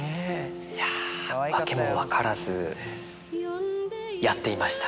いや訳も分からずやっていました。